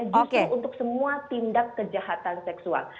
justru untuk semua tindak kejahatan seksual